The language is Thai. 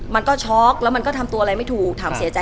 เหมือนนางก็เริ่มรู้แล้วเหมือนนางก็เริ่มรู้แล้ว